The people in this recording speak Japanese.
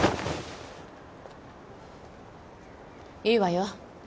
いいわよ。